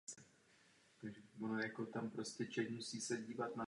Na světovém šampionátu v Pekingu o rok později obsadila dvanácté místo.